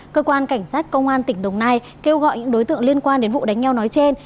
cơ quan cảnh sát công an tỉnh đồng nai kêu gọi những đối tượng liên quan đến vụ đánh nhau nói trên